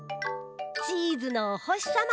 チーズのおほしさま。